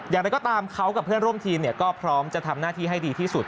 อย่างไรก็ตามเขากับเพื่อนร่วมทีมก็พร้อมจะทำหน้าที่ให้ดีที่สุด